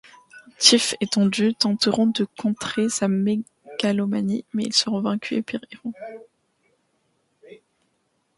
Tif et Tondu tenteront de contrer sa mégalomanie, mais ils seront vaincus et périront.